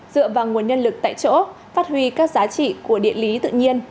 dựa vào nguồn nhân lực tại chỗ phát huy các giá trị của địa lý tự nhiên